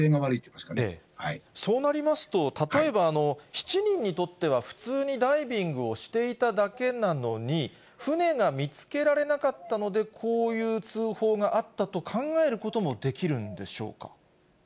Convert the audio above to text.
そうなりますと、例えば、７人にとっては、普通にダイビングをしていただけなのに、船が見つけられなかったので、こういう通報があったと考えることもできるんでしょうか。